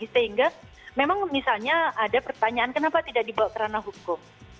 sehingga memang misalnya ada pertanyaan kenapa tidak dibawa ke ranah hukum